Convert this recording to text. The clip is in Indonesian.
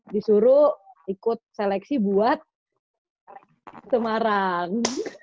disuruh ikut seleksi buat semarang